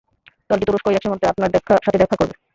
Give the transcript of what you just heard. দলটি তুরস্ক-ইরাক সীমান্তে আপনার সাথে দেখা করবে।